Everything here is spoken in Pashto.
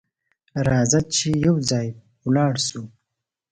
راځه چې یو ځای ولاړ سو!